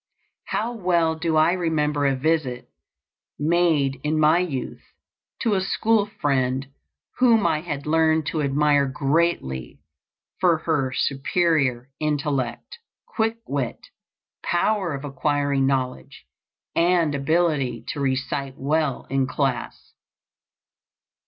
How well do I remember a visit, made in my youth, to a school friend whom I had learned to admire greatly for her superior intellect, quick wit, power of acquiring knowledge, and ability to recite well in class.